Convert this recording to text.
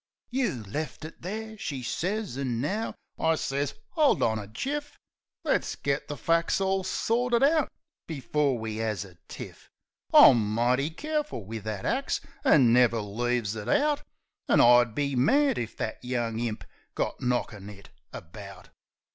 "You left it there," she sez, "an' now ..." I sez, " 'Old on a jiff. Let's git the fac's all sorted out before we 'as a tiff. I'm mighty careful wiv that axe, an' never leaves it out. An' I'd be mad if that young imp got knockin' it about."